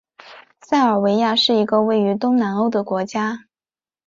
塞尔维亚是一个位于东南欧的国家。